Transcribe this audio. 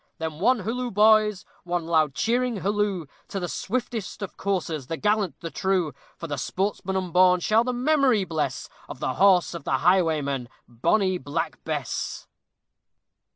Then one halloo, boys, one loud cheering halloo! To the swiftest of coursers, the gallant, the true! For the sportsman unborn shall the memory bless Of the horse of the highwayman, bonny Black Bess!